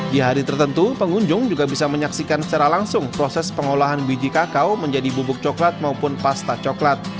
di hari tertentu pengunjung juga bisa menyaksikan secara langsung proses pengolahan biji kakao menjadi bubuk coklat maupun pasta coklat